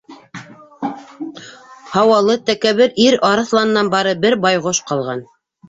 Һауалы, тәкәббер ир арыҫланынан бары бер байғош ҡалған.